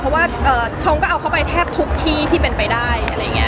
เพราะว่าชงก็เอาเข้าไปแทบทุกที่ที่เป็นไปได้